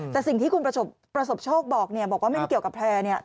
แต่สิ่งที่คุณประสบโชคบอกบอกว่าไม่ได้เกี่ยวกับแพร่